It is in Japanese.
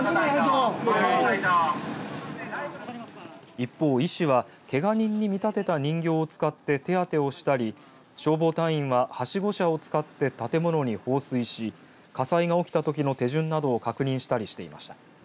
一方、医師はけが人に見立てた人形を使って手当てをしたり消防隊員は、はしご車を使って建物に放水し、火災が起きたときの手順などを確認したりしていました。